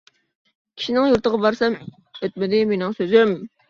كىشىنىڭ يۇرتىغا بارسام، ئۆتمىدى مېنىڭ سۆزۈم.